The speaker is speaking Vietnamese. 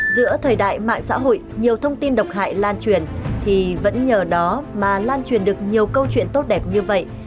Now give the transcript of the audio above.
giữa thời đại mạng xã hội nhiều thông tin độc hại lan truyền thì vẫn nhờ đó mà lan truyền được nhiều câu chuyện tốt đẹp như vậy